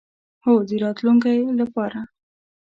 هو، د راتلونکی لپاره